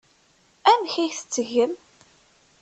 Amek ay t-tettgem?